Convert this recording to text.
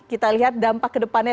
kita lihat dampak kedepannya